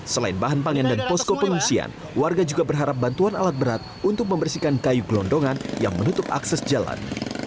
selain bahan pangan dan posko pengungsian warga juga berharap bantuan alat berat untuk membersihkan kayu gelondongan yang menutup akses jalan